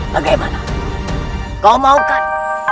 bagaimana kau maukan